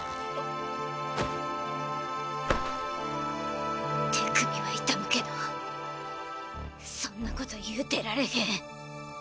心の声手首は痛むけどそんなこと言うてられへん！